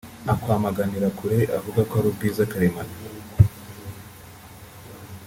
akwamaganira kure avuga ko ‘ari ubwiza karemano’